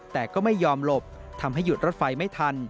แต่ก็ไม่ยอมหลบทำให้หยุดรถไฟไม่ทัน